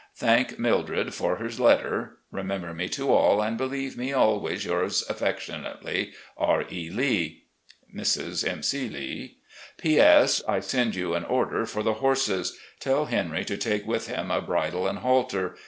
Thank Mil dred for her letter. Remember me to all, and believe me, "Always yours affectionately, R. E, Lee, "Mrs. M. C. Lee. " P. S. — I send you an order for the horses. Tell Henry to take with him a bridle and halter.